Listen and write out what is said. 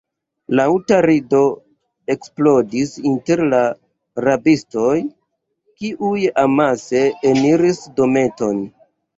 Laŭta rido eksplodis inter la rabistoj, kiuj amase eniris dometon.